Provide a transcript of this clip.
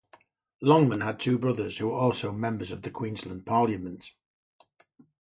Longman had two brothers who were also members of the Queensland Parliament.